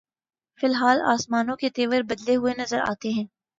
فی الحال آسمانوں کے تیور بدلے ہوئے نظر آتے ہیں۔